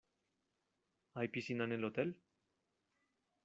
¿Hay piscina en el hotel?